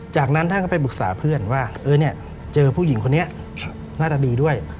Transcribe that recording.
จากนั้นท่านก็ไปปรึกษาเพื่อนว่าเจอผู้หญิงคนนี้หน้าตาดีด้วย